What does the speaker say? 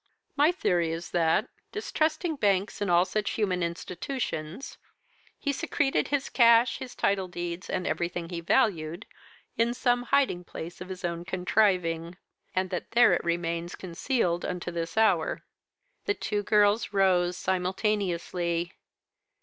My theory is that, distrusting banks and all such human institutions, he secreted his cash, his title deeds, and everything he valued, in some hiding place of his own contriving, and that there it remains concealed unto this hour.'" The two girls rose simultaneously.